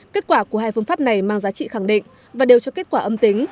kết quả của hai phương pháp này mang giá trị khẳng định và đều cho kết quả âm tính